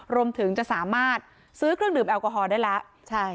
รวมถึงจะสามารถซื้อเครื่องดื่มแอลกอฮอล์ได้แล้ว